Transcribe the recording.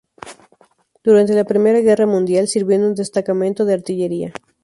Durante la Primera Guerra Mundial sirvió en un destacamento de artillería.